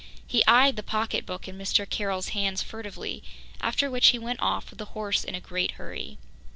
He eyed the pocketbook in Mr. Carroll's hands furtively, after which he went off with the horse in a great hurry.